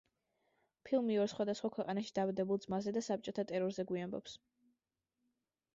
ფილმი ორ სხვადასხვა ქვეყანაში დაბადებულ ძმაზე და საბჭოთა ტერორზე გვიამბობს.